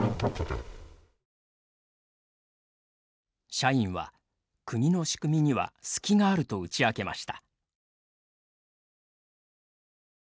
社員は国の仕組みには隙があると打ち明けました。